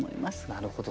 なるほど。